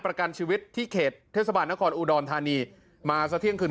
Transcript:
ประกันชีวิตที่เขตเทศบาลนครอุดรธานีมาสักเที่ยงคืน